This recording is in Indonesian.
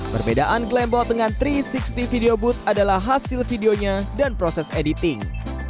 perbedaan glambot dengan tiga ratus enam puluh video booth adalah hasil videonya dan proses editing